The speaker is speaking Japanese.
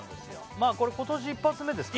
これ今年一発目ですか？